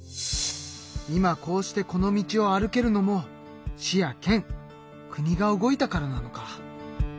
今こうしてこの道を歩けるのも市や県国が動いたからなのか。